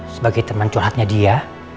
sebagai teman curhatnya dia